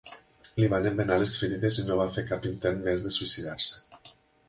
Li van embenar les ferides i no va fer cap intent més de suïcidar-se.